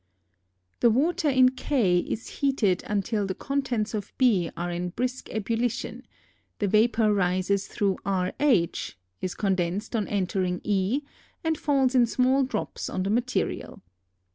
[Illustration: FIG. 23.] The water in K is heated until the contents of B are in brisk ebullition; the vapor rises through RH, is condensed on entering E and falls in small drops on the material.